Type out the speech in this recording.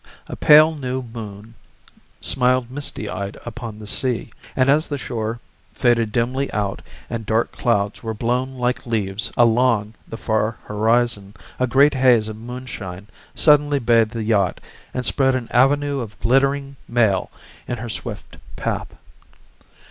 A pale new moon smiled misty eyed upon the sea, and as the shore faded dimly out and dark clouds were blown like leaves along the far horizon a great haze of moonshine suddenly bathed the yacht and spread an avenue of glittering mail in her swift path.